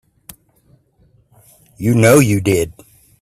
You know you did.